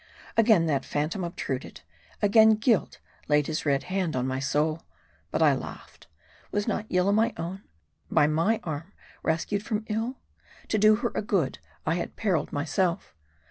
Again that phantom obtruded ; again guilt laid his red hand on my soul. But I laughed. Was not Yillah my own ? by my arm rescued from ill ? To do her a good, I had periled myself.